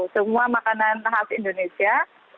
semua makanan khas indonesia